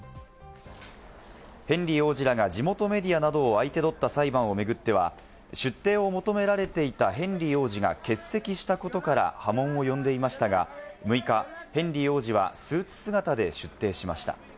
ヘンリー王子らが地元メディアなどを相手取った裁判を巡っては、出廷を求められていたヘンリー王子が欠席したことから、波紋を呼んでいましたが６日、ヘンリー王子はスーツ姿で出廷しました。